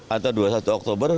atau dua puluh satu oktober